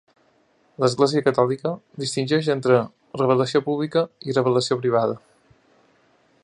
L'Església catòlica distingeix entre revelació pública i revelació privada.